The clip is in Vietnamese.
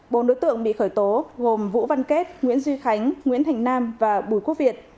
bốn đối tượng bị khởi tố gồm vũ văn kết nguyễn duy khánh nguyễn thành nam và bùi quốc việt